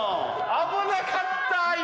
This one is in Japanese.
危なかった、今。